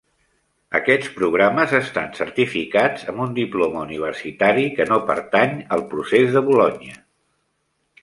Aquests programes estan certificats amb un diploma universitari que no pertany al procés de Bolonya.